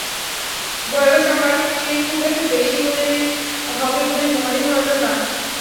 বয়স আমার চেয়ে খুব একটা বেশি হবে বলে মনে হলো না।